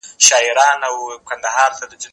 هغه وويل چي واښه مهمه ده!.